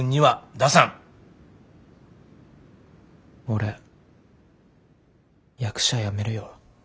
俺役者やめるよ。